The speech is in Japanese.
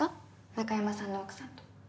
中山さんの奥さんと。